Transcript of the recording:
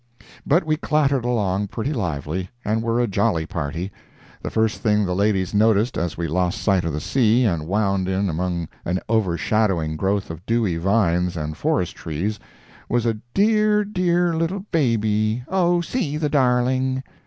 But we clattered along pretty lively, and were a jolly party. The first thing the ladies noticed as we lost sight of the sea, and wound in among an overshadowing growth of dewy vines and forest trees, was a "dear, dear little baby—oh, see the darling!"